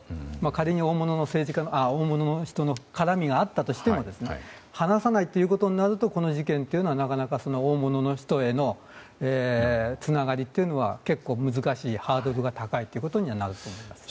仮に大物の人の絡みがあったとしても話さないということになるとこの事件というのはなかなか大物の人へのつながりというのは結構難しい、ハードルが高いということになると思います。